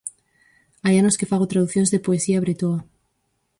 Hai anos que fago traducións de poesía bretoa.